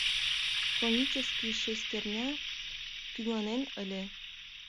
Конический шестерня тӱганен ыле...